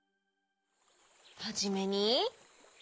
はじめに。